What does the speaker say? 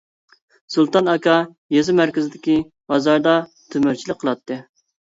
سۇلتان ئاكا يېزا مەركىزىدىكى بازاردا تۆمۈرچىلىك قىلاتتى.